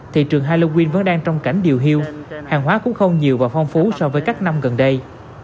thị trường halloween vẫn đang trong cảnh điều hiêu hàng hóa cũng không nhiều và phong phú so với các năm gần đây